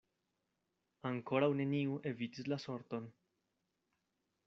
Ankoraŭ neniu evitis la sorton.